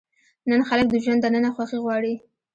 نن خلک د ژوند دننه خوښي غواړي.